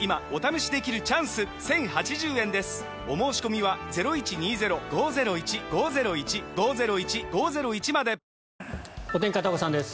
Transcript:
今お試しできるチャンス１，０８０円ですお申込みはお天気、片岡さんです。